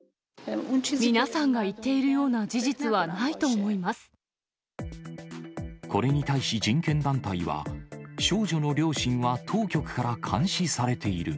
皆さんが言っているような事これに対し、人権団体は、少女の両親は当局から監視されている。